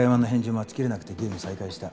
待ちきれなくてゲーム再開した。